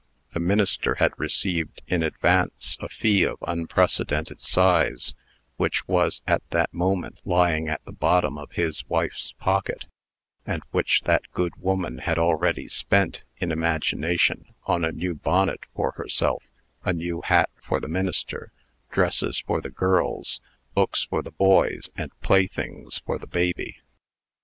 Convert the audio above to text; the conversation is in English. The minister had received, in advance, a fee of unprecedented size, which was, at that moment, lying at the bottom of his wife's pocket, and which that good woman had already spent, in imagination, on a new bonnet for herself, a new hat for the minister, dresses for the girls, books for the boys, and playthings for the baby.